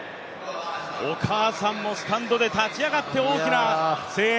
お母さんもスタンドで立ち上がって、大きな声援。